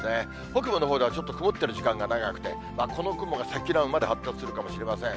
北部のほうではちょっと曇ってる時間が長くて、この雲が積乱雲まで発達するかもしれません。